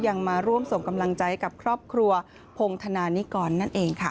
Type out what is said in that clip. มาร่วมส่งกำลังใจกับครอบครัวพงธนานิกรนั่นเองค่ะ